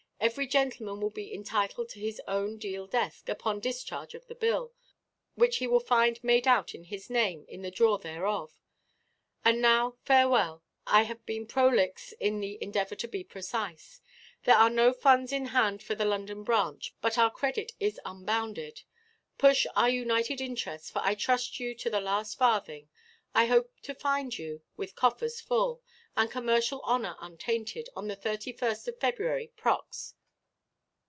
Every gentleman will be entitled to his own deal desk, upon discharge of the bill, which he will find made out in his name, in the drawer thereof. And now farewell. I have been prolix in the endeavour to be precise. "There are no funds in hand for the London branch, but our credit is unbounded. Push our united interests, for I trust you to the last farthing. I hope to find you with coffers full, and commercial honour untainted, on the 31st of February prox.